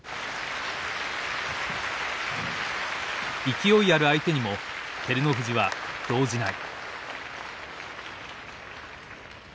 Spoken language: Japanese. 勢いある相手にも照ノ富士は動じない。